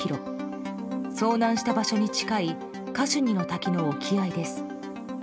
遭難した場所に近いカシュニの滝の沖合です。